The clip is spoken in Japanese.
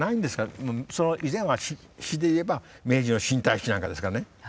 その以前は詩でいえば明治の新体詩やなんかですからね。